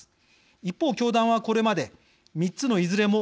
一方教団はこれまで「３つのいずれもない。